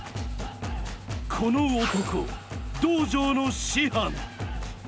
この男道場の師範。